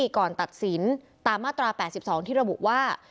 ก่อนตัดสินตามมาตรา๘๒ที่ระบุว่า